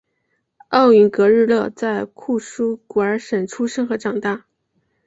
奥云格日勒在库苏古尔省出生和长大。